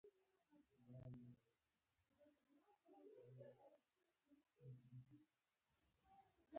چرګان د افغانستان په اوږده تاریخ کې ذکر شوی دی.